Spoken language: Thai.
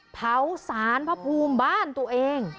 เผาสารพระภูมิบ้านตัวเอง